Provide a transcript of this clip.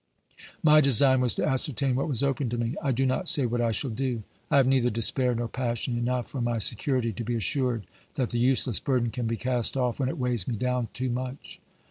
My design was to ascertain what was open to me. I do not say what I shall do. I have neither despair nor passion ; enough for my security to be assured that the useless burden can be cast off when it weighs me down too much.